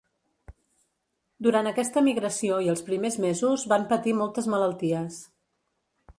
Durant aquesta migració i els primers mesos van patir moltes malalties.